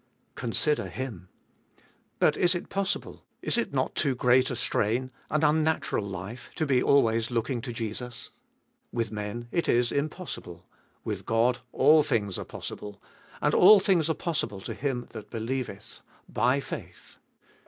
2. Consider Him. But is it possible— is it not too great a strain, an unnatural life— to be always looking to Jesus ? With men it is impossible ; with God all things are possible. And all things are possible to him that beliefoth. By faith.